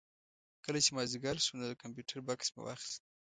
کله چې مازدیګر شو نو د کمپیوټر بکس مې واخېست.